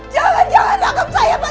jangan jangan anggap saya pak